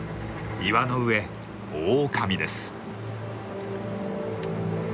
岩の上オオカミです。